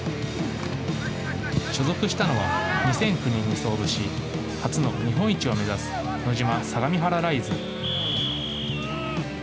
所属したのは２００９年に創部し初の日本一を目指すノジマ相模原ライズ。